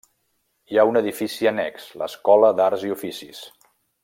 Hi ha un edifici annex, l'Escoda d’Arts i Oficis.